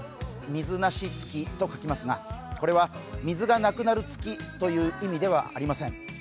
水無し月と書きますがこれは水がなくなるという意味ではありません。